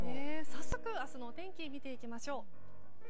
早速、明日のお天気見ていきましょう。